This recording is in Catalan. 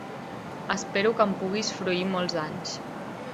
Espero que en puguis fruir molts anys.